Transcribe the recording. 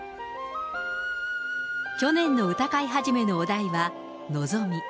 去年の歌会始のお題は望。